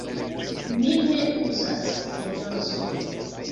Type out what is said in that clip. Mi ne uzas Vindozon.